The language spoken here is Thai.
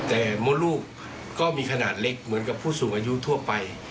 แต่มดลูกก็มีขนาดเล็กเหมือนกับผู้สูงอายุทั่วไป